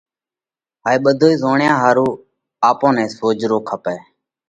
هائي ٻڌوئي ڪئين زوڻيا ۿارُو آپون نئہ سوجھرو ڪپئه،